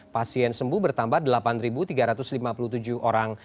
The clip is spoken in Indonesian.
pasien sembuh bertambah delapan tiga ratus lima puluh tujuh orang